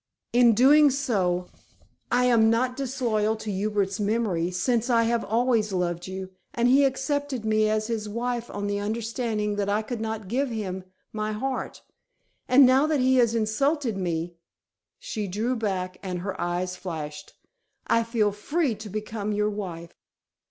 In doing so I am not disloyal to Hubert's memory, since I have always loved you, and he accepted me as his wife on the understanding that I could not give him my heart. And now that he has insulted me," she drew back, and her eyes flashed, "I feel free to become your wife."